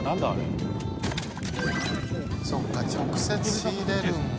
そうか直接仕入れるんだ。